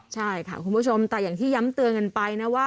ใช่ค่ะคุณผู้ชมแต่อย่างที่ย้ำเตือนกันไปนะว่า